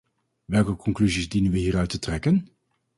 Welke conclusies dienen we hieruit te trekken?